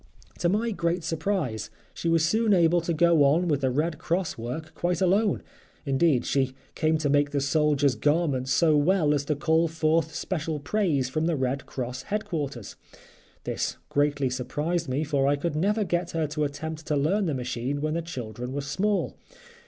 To my great surprise she was soon able to go on with the Red Cross work quite alone; indeed she came to make the soldiers' garments so well as to call forth special praise from the Red Cross Headquarters. This greatly surprised me, for I could never get her to attempt to learn the machine when the children were small.